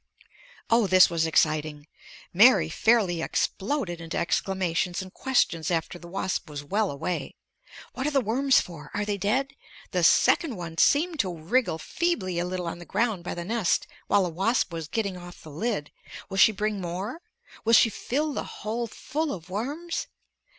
O, this was exciting. Mary fairly exploded into exclamations and questions after the wasp was well away. What are the worms for? Are they dead? The second one seemed to wriggle feebly a little on the ground by the nest while the wasp was getting off the lid. Will she bring more? Will she fill the hole full of worms?